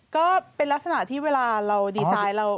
ก็เป็นลักษณะที่เวลาเราดีไซน์